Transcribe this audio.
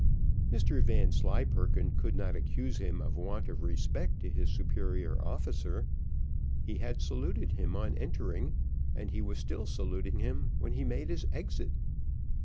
Mr Vanslyperken could not accuse him of want of respect to his superior officer; he had saluted him on entering, and he was still saluting him when he made his exit.